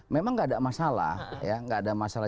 memang gak ada masalah